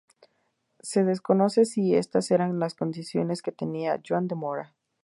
Se desconoce si estas eran las condiciones que tenía Joan de Mora.